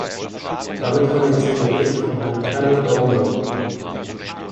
Damit komme ich zum Bericht von Herrn Kellet-Bowman.